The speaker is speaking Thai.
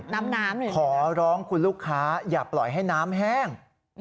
น้ำน้ำเลยขอร้องคุณลูกค้าอย่าปล่อยให้น้ำแห้ง